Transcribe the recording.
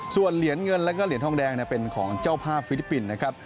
ส่วนเหรียญเงินแล้วก็เหรียญทองแดงเป็นของเจ้าภาพฟิลิปปินส์นะครับ